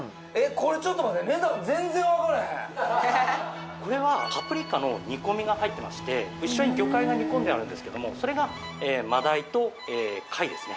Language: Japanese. これちょっと待ってこれはパプリカの煮込みが入ってまして一緒に魚介が煮込んであるんですけどもそれが真鯛と貝ですね